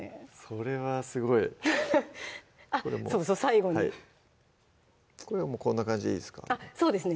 それはすごいそうそう最後にこれはこんな感じでいいですかそうですね